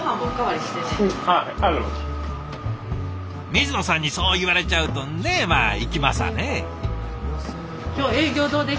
水野さんにそう言われちゃうとねえまあいきますわね。